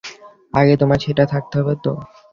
আগে তোমার সেটা থাকতে হবে তো?